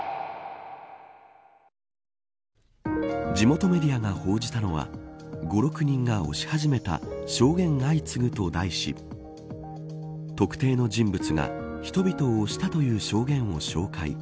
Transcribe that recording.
地元メディアが報じたのは５、６人が押し始めた証言が相次ぐと題し特定の人物が、人々を押したという証言を紹介。